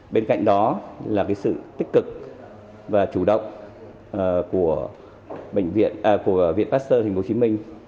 bên cạnh đó là sự tích cực và chủ động của viện pasteur tp hcm